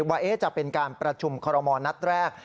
ว่าจะเป็นการประชุมคอรมอลนัดแรก